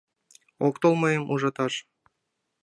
Ок тол мыйым ужаташ —